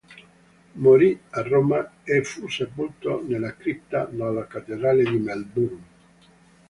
Morì a Roma e fu sepolto nella cripta della cattedrale di Melbourne.